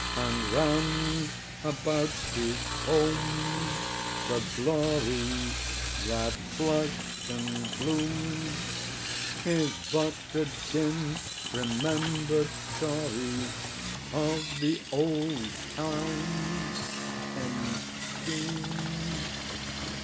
And, round about his home, the glory That blushed and bloomed Is but a dim remembered story Of the old time entombed.